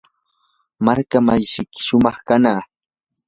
markamasiyki suwa kanaq.